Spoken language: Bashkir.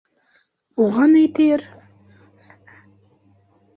Уға ни тиер?